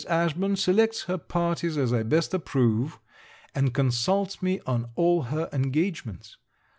Ashburn selects her parties as I best approve, and consults me on all her engagements.